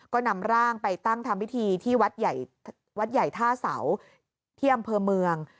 ก็นำร่างไปตั้งทำพิธีที่วัดใหญ่ท่าเสาที่อำเภอเมือง